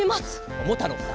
ももたろうさん